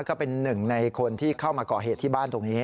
ก็เป็นหนึ่งในคนที่เข้ามาก่อเหตุที่บ้านตรงนี้